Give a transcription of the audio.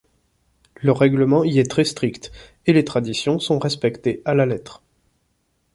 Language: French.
Le règlement y est très strict et les traditions sont respectées à la lettre.